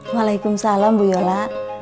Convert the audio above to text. waalaikumsalam bu yola